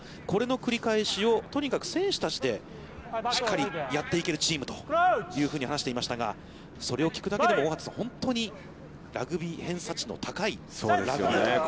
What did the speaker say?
これの繰り返しをとにかく選手たちでしっかりやっていけるチームというふうに話していましたが、それを聞くだけでも大畑さん、ラグビー偏差値の高い、ラグビーですね。